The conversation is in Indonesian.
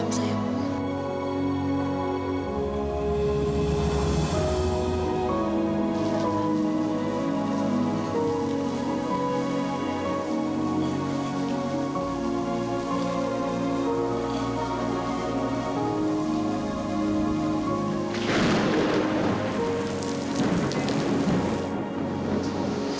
jangan jangan jangan